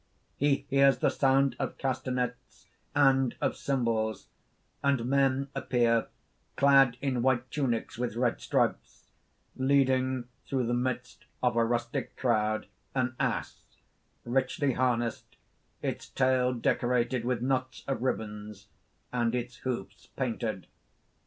(_He hears the sound of castanets and of cymbals; and men appear, clad in white tunics with red stripes, leading through the midst of a rustic crowd an ass, richly harnessed, its tail decorated with knots of ribbons, and its hoofs painted.